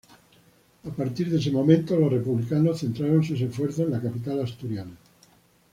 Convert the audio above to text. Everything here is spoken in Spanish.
A partir de ese momento los republicanos centraron sus esfuerzos en la capital asturiana.